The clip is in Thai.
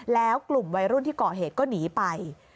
แล้วกลุ่มวัยรุ่นที่ก่อเหตุก็หนีไป